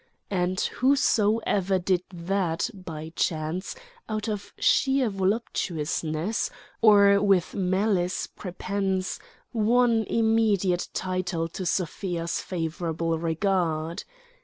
And whosoever did that, by chance, out of sheer voluptuousness, or with malice prepense, won immediate title to Sofia's favourable regard.